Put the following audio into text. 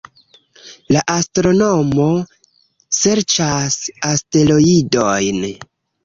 La astronomo serĉas asteroidojn